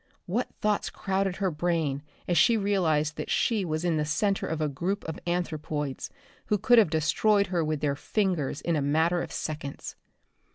What thoughts crowded her brain as she realized that she was in the center of a group of anthropoids who could have destroyed her with their fingers in a matter of seconds!